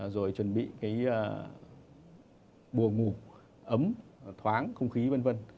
rồi chuẩn bị cái bùa ngủ ấm thoáng không khí vân vân